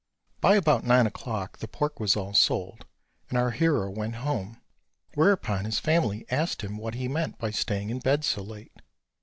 By about nine o'clock the pork was all sold, and our hero went home, whereupon his family asked him what he meant by staying in bed so late.